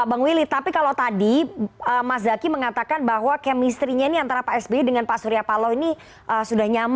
bang willy tapi kalau tadi mas zaky mengatakan bahwa kemistrinya ini antara pak sby dengan pak surya paloh ini sudah nyaman